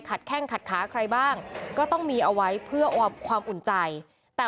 แข้งขัดขาใครบ้างก็ต้องมีเอาไว้เพื่อความความอุ่นใจแต่